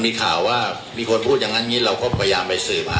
มีข่าวก็มีคนพูดอย่างงั้นอีกเราก็พยายามไปสืบ